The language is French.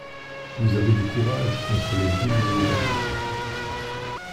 Vous avez du courage contre les villes ouvertes.